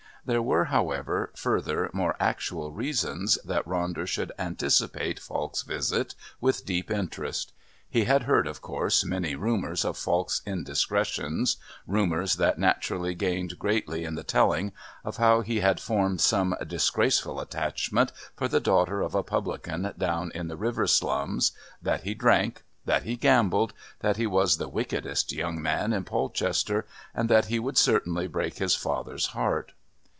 There were, however, further, more actual reasons that Ronder should anticipate Falk's visit with deep interest. He had heard, of course, many rumours of Falk's indiscretions, rumours that naturally gained greatly in the telling, of how he had formed some disgraceful attachment for the daughter of a publican down in the river slums, that he drank, that he gambled, that he was the wickedest young man in Polchester, and that he would certainly break his father's heart.